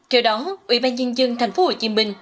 kiểu đó ủy ban nhân dân thành phố hồ chí minh